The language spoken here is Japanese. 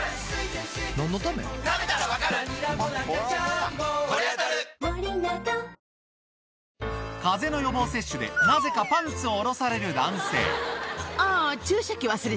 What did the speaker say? すると風邪の予防接種でなぜかパンツを下ろされる男性あぁ。